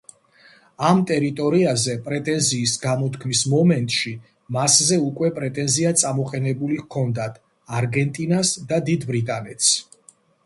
ამ ტერიტორიაზე პრეტენზიის გამოთქმის მომენტში მასზე უკვე პრეტენზია წამოყენებული ჰქონდათ არგენტინას და დიდ ბრიტანეთს.